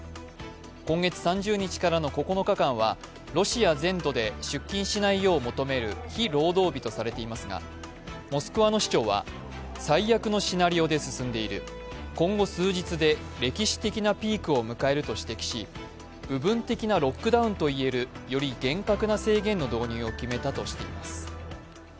今月３０日からの９日間は、ロシア全土で出勤しないよう求める非労働日とされていますがモスクワの市長は最悪のシナリオで進んでいる今後数日で歴史的なピークを迎えると指摘し部分的なロックダウンといえる、より厳格な制限の導入を決めたとしています。